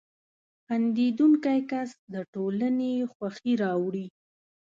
• خندېدونکی کس د ټولنې خوښي راوړي.